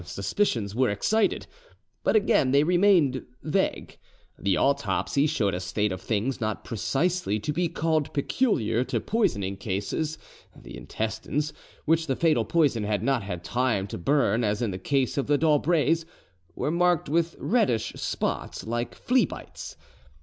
Suspicions were excited; but again they remained vague. The autopsy showed a state of things not precisely to be called peculiar to poisoning cases the intestines, which the fatal poison had not had time to burn as in the case of the d'Aubrays, were marked with reddish spots like flea bites.